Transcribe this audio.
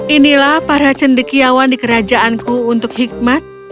inilah para cendekiawan di kerajaanku untuk hikmat